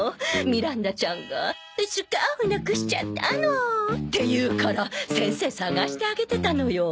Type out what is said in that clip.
ミランダちゃんが「スカーフなくしちゃったの」って言うから先生捜してあげてたのよ。